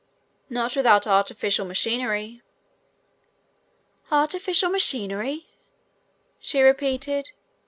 "Not without artificial machinery." "Artificial machinery?" she repeated.